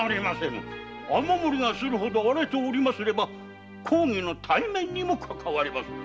雨漏りがするほど荒れており公儀の体面にもかかわりまする。